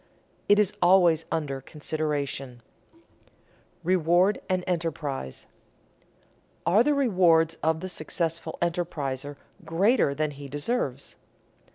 It is always under consideration. [Sidenote: Reward and enterprise] Are the rewards of the successful enterpriser greater than he deserves?